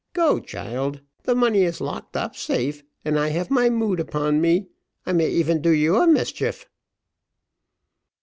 Go, child, the money is locked up safe, and I have my mood upon me I may even do you a mischief."